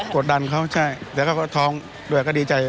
กดดันเขาใช่แล้วก็ท้องด้วยก็ดีใจ